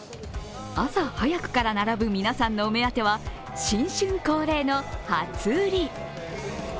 朝早くから並ぶ皆さんのお目当ては新春恒例の初売り。